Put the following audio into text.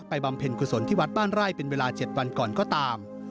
บำเพ็ญกุศลที่วัดบ้านไร่เป็นเวลา๗วันก่อนก็ตาม